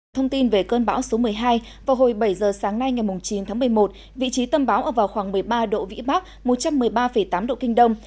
thông tin về cơn bão số một mươi hai vào hồi bảy giờ sáng nay ngày chín tháng một mươi một vị trí tâm bão ở vào khoảng một mươi ba độ vĩ bắc một trăm một mươi ba tám độ kinh đông